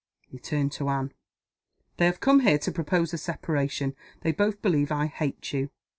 He turned to Anne. "They have come here to propose a separation. They both believe I hate you.